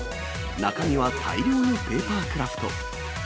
中身は大量のペーパークラフト。